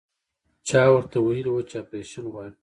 چا ورته ويلي وو چې اپرېشن غواړي.